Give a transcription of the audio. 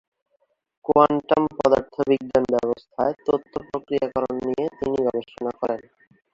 কোয়ান্টাম-পদার্থবিজ্ঞান ব্যবস্থায় তথ্য প্রক্রিয়াকরণ নিয়ে তিনি গবেষণা করেন।